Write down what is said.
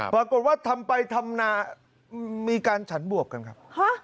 ปรากฏว่าทำไปทำนามีการฉันบวบกันครับ